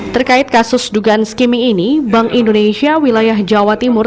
terkait kasus dugaan skimming ini bank indonesia wilayah jawa timur